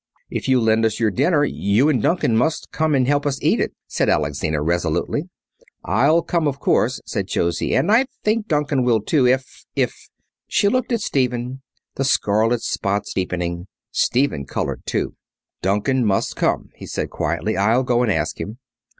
"If you lend us your dinner you and Duncan must come and help us eat it," said Alexina, resolutely. "I'll come of course," said Josie, "and I think that Duncan will too if if " She looked at Stephen, the scarlet spots deepening. Stephen coloured too. "Duncan must come," he said quietly. "I'll go and ask him."